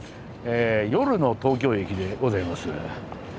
夜の東京駅でございます。